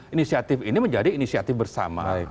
inisiatif ini menjadi inisiatif bersama